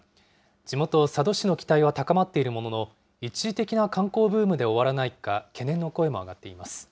地元、佐渡市の期待は高まっているものの、一時的な観光ブームで終わらないか、懸念の声も上がっています。